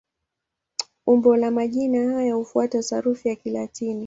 Umbo la majina haya hufuata sarufi ya Kilatini.